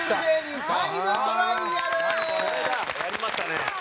やりましたね。